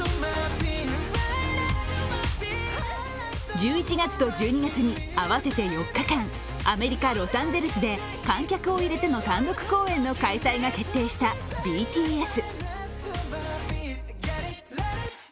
１１月と１２月に合わせて４日間、アメリカ・ロサンゼルスで観客を入れての単独公演の開催が決定したＢＴＳ。